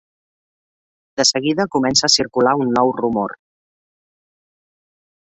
De seguida comença a circular un nou rumor.